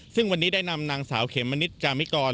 ซึ่งวันนี้ได้นำนางสาวเขมมณิชจามิกร